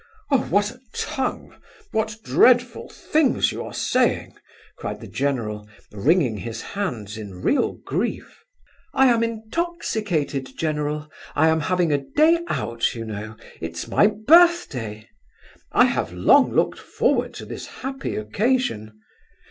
Oh, what a tongue! What dreadful things you are saying," cried the general, wringing his hands in real grief. "I am intoxicated, general. I am having a day out, you know—it's my birthday! I have long looked forward to this happy occasion.